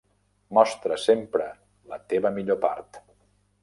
Mostra sempre la teva millor part.